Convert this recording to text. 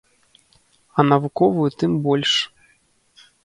А навуковую тым больш.